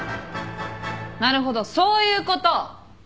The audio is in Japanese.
なるほどそういうこと。